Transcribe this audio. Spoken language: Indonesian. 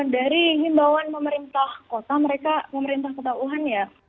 dari himbawan pemerintah kota mereka pemerintah kota wuhan ya